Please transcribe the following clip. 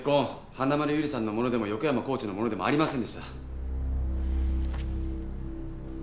花村友梨さんのものでも横山コーチのものでもありませんでした。